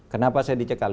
kenapa saya dicekal